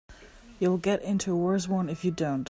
You'll get into a worse one if you don't.